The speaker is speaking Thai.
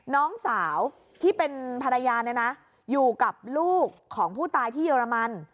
น้องสาวที่เป็นภรรยาเนี่ยนะอยู่กับลูกของผู้ตายที่เยอรมัน